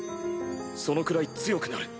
そのくらい強くなる。